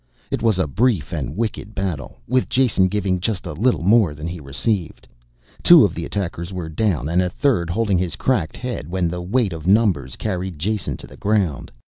It was a brief and wicked battle, with Jason giving just a little more than he received. Two of the attackers were down and a third holding his cracked head when the weight of numbers carried Jason to the ground.